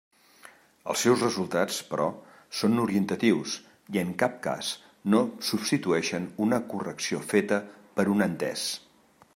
Els seus resultats, però, són orientatius, i en cap cas no substitueixen una correcció feta per un entès.